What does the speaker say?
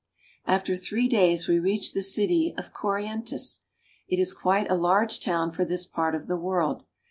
After three days we reach the city of Corrien'tes. It is quite a large town for this part of the world.